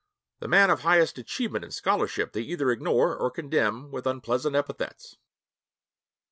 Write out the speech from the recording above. The man of highest achievement in scholarship they either ignore or condemn with unpleasant epithets.